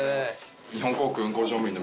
日本航空。